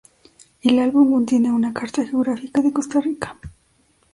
El Álbum contiene una "Carta Geográfica de Costa Rica".